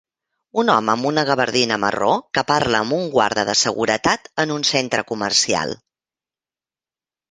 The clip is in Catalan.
Un home amb una gavardina marró que parla amb un guarda de seguretat en un centre comercial.